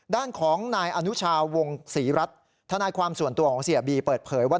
ด้านของนายอนุชาวงศรีรัฐธนายความส่วนตัวของเสียบีเปิดเผยว่า